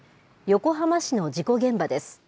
横浜市の事故現場です。